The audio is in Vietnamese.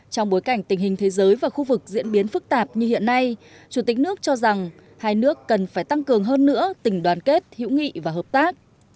trong bối cảnh tình hình thế giới và khu vực diễn biến phức tạp như hiện nay chủ tịch nước cho rằng hai nước cần phải tăng cường hơn nữa tình đoàn kết hữu nghị và hợp tác